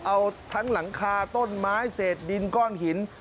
เอาทั้งหลังคาต้นไม้เศษดินก้อนหิน